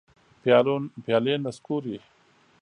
پیالي نسکوري